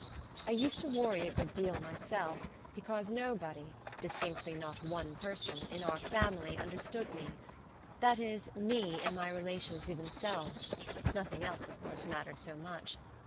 I used to worry a good deal, myself, because nobody distinctly not one person in our family understood me; that is, me in my relation to themselves; nothing else, of course, mattered so much.